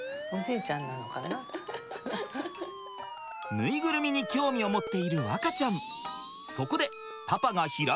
ぬいぐるみに興味を持っている和花ちゃん。